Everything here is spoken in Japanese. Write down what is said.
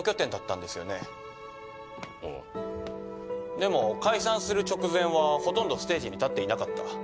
でも解散する直前はほとんどステージに立っていなかった。